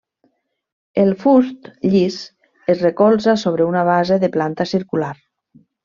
El fust llis es recolza sobre una base de planta circular.